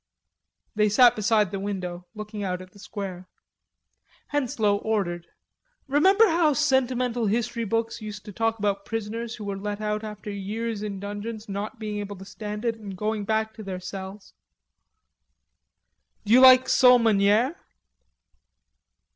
They sat beside the window looking out at the square. Henslowe ordered. "Remember how sentimental history books used to talk about prisoners who were let out after years in dungeons, not being able to stand it, and going back to their cells?" "D'you like sole meuniere?"